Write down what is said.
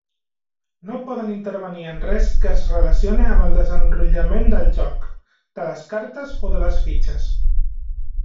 No poden intervenir en res que es relacione amb el desenrotllament del joc, de les cartes o de les fitxes.